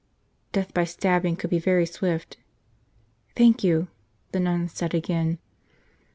Death by stabbing could be very swift. "Thank you," the nun said again.